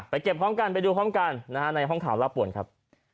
เก็บพร้อมกันไปดูพร้อมกันนะฮะในห้องข่าวลาบป่วนครับ